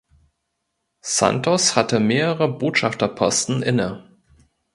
Santos hatte mehrere Botschafterposten inne.